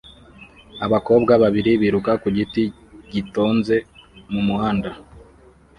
Abakobwa babiri biruka ku giti gitonze umuhanda